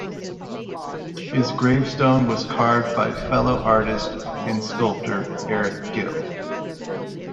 His gravestone was carved by fellow artist and sculptor Eric Gill.